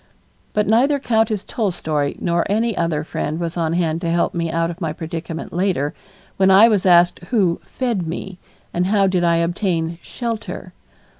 But neither Countess Tolstoy nor any other friend was on hand to help me out of my predicament later, when I was asked who "fed" me, and how did I obtain "shelter"?